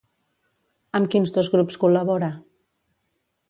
Amb quins dos grups col·labora?